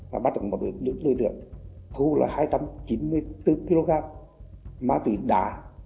và bắt được một đối tượng thu là hai trăm chín mươi bốn kg má tùy đá